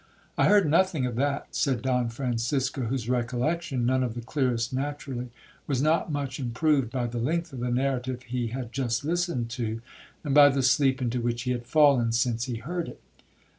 '—'I heard nothing of that,' said Don Francisco, whose recollection, none of the clearest naturally, was not much improved by the length of the narrative he had just listened to, and by the sleep into which he had fallen since he heard it.